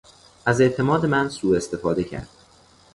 از اعتماد من سو استفاده کرد.